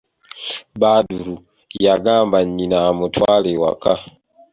Badru, yagamba nnyina amutwale ewaka.